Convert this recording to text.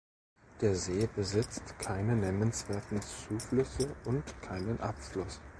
Der See besitzt keine nennenswerten Zuflüsse und keinen Abfluss.